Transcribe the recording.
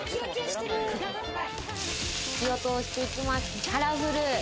火を通していきます、カラフル。